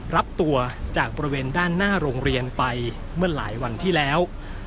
รับตัวจากบริเวณด้านหน้าโรงเรียนไปเมื่อหลายวันที่แล้ว